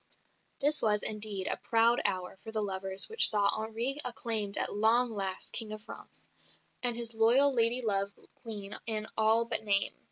This was, indeed, a proud hour for the lovers which saw Henri acclaimed at "long last" King of France, and his loyal lady love Queen in all but name.